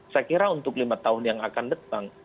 saya kira untuk lima tahun yang akan datang